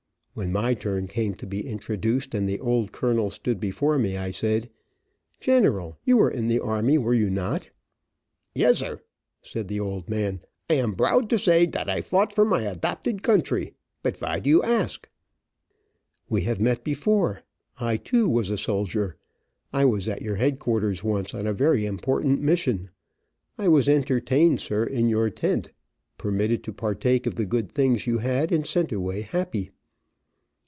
When my turn came to be introduced, and the old colonel stood before me, I said: "General, you were in the army, were you not?" "Yezzer!" said the old man. "I am broud to say dot I fought for my adopted country. But vy do you ask?" "We have met before. I, too, was a soldier. I was at your headquarters once, on a very important mission. I was entertained, sir, in your tent, permitted, to partake of the good, things you had, and sent away happy.